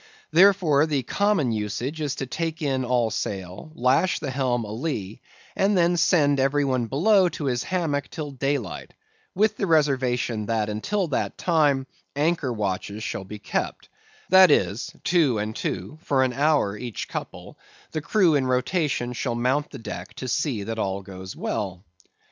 Therefore, the common usage is to take in all sail; lash the helm a'lee; and then send every one below to his hammock till daylight, with the reservation that, until that time, anchor watches shall be kept; that is, two and two for an hour, each couple, the crew in rotation shall mount the deck to see that all goes well.